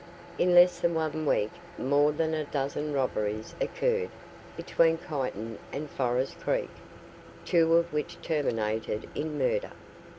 In less than one week more than a dozen robberies occurred between Kyneton and Forest Creek, two of which terminated in murder.